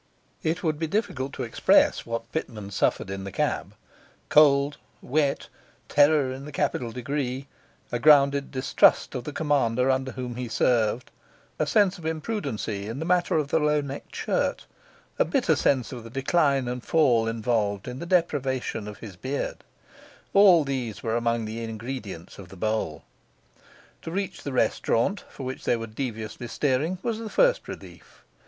It would be difficult to express what Pitman suffered in the cab: cold, wet, terror in the capital degree, a grounded distrust of the commander under whom he served, a sense of imprudency in the matter of the low necked shirt, a bitter sense of the decline and fall involved in the deprivation of his beard, all these were among the ingredients of the bowl. To reach the restaurant, for which they were deviously steering, was the first relief.